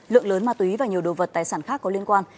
lượng lớn ma túy và nhiều đồ vật tài sản khác có liên quan